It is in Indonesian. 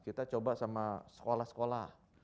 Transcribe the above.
kita coba sama sekolah sekolah